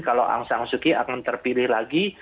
kalau aung san suu kyi akan terpilih lagi